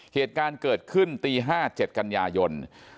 เหตุการณ์เกิดขึ้นตี๕๗กันยายน